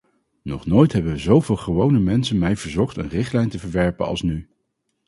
Nog nooit hebben zoveel gewone mensen mij verzocht een richtlijn te verwerpen als nu.